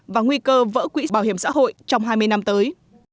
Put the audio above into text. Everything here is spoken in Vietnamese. và nguy cơ vỡ quỹ bảo hiểm xã hội trong hai mươi năm tới